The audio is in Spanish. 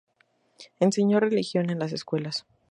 Enseñó religión en las escuelas.